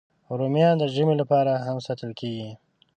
رومیان د ژمي لپاره هم ساتل کېږي